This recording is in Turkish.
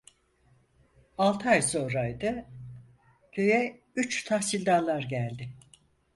Altı ay sonraydı, köye üç tahsildarlar geldi.